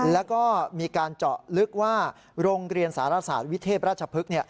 แล้วก็มีการเจาะลึกว่าโรงเรียนสารศาสตร์วิเทพราชพฤกษ์